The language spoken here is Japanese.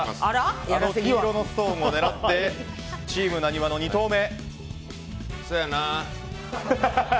黄色のストーンを狙ってチームなにわの２投目。